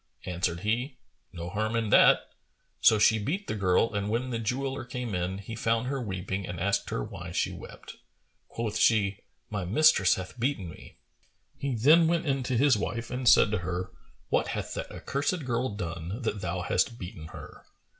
Answered he, "No harm in that." So she beat the girl and when the jeweller came in, he found her weeping and asked her why she wept. Quoth she, "My mistress hath beaten me." He then went in to his wife and said to her, "What hath that accursed girl done, that thou hast beaten her?"